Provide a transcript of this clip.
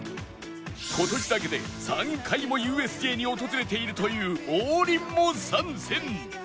今年だけで３回も ＵＳＪ に訪れているという王林も参戦！